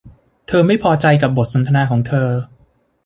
เธอไม่พอใจกับบทสนทนาของเธอ